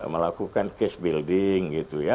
melakukan case building